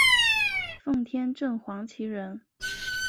奉天正黄旗人。